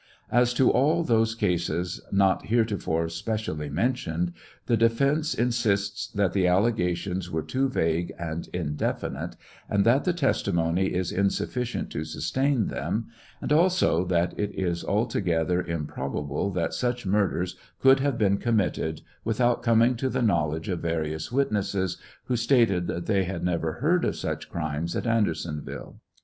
As to all those cases not heretofore specially mentioned, the defence insists that the allegations were too vague and indefinite, and that the testimony is insufficient to sustain them, and also that it is altogether improbable that such murders could have been committed without coming to the knowledge of various witnesses, who stated that they had never heard of such crimes at Andersonville.